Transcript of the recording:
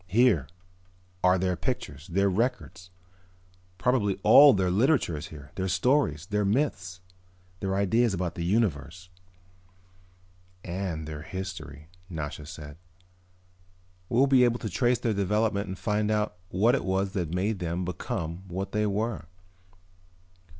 "Here are their pictures, their records. Probably all their literature is here, their stories, their myths, their ideas about the universe." "And their history," Nasha said. "We'll be able to trace their development and find out what it was that made them become what they were."